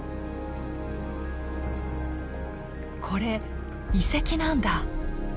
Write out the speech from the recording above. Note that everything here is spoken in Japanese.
これ遺跡なんだ。